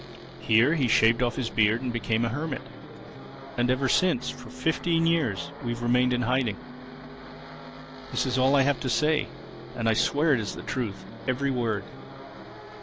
Here he shaved off his beard and became a hermit. And ever since, for fifteen years, we've remained in hiding. This is all I have to say. And I swear it is the truth, every word."